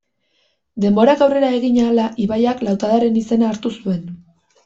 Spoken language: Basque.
Denborak aurrera egin ahala ibaiak lautadaren izena hartu zuen.